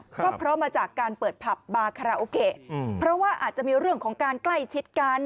ก็เพราะมาจากการเปิดผับบาคาราโอเกะเพราะว่าอาจจะมีเรื่องของการใกล้ชิดกัน